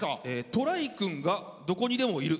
「トライくん」がどこにでもいる。